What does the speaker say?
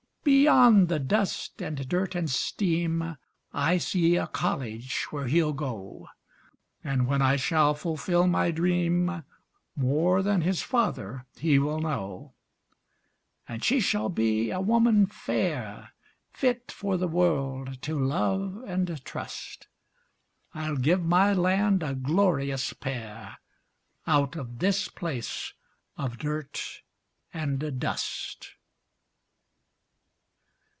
Beyond the dust and dirt and steam I see a college where he'll go; And when I shall fulfill my dream, More than his father he will know; And she shall be a woman fair, Fit for the world to love and trust I'll give my land a glorious pair Out of this place of dirt and dust.